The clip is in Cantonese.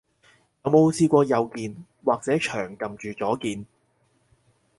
有冇試過右鍵，或者長撳住左鍵？